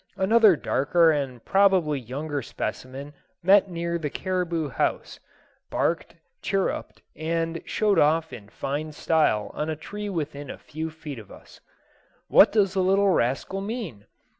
Another darker and probably younger specimen met near the Caribou House, barked, chirruped, and showed off in fine style on a tree within a few feet of us. "What does the little rascal mean?"